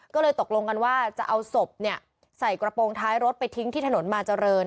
ก็เลยตกลงกันว่าจะเอาศพใส่กระโปรงท้ายรถไปทิ้งที่ถนนมาเจริญ